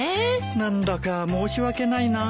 何だか申し訳ないな。